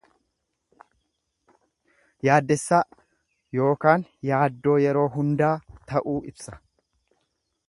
Yaaddessaa ykn yaaddoo yeroo hundaa ta'uu ibsa.